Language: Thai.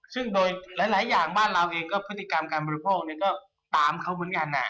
ซึ่งโดยหลายอย่างบ้านเราเองก็พฤติกรรมการบริโภคก็ตามเขาเหมือนกัน